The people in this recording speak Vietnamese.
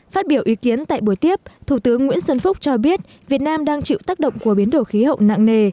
phát biểu ý kiến tại buổi tiếp thủ tướng nguyễn xuân phúc cho biết việt nam đang chịu tác động của biến đổi khí hậu nặng nề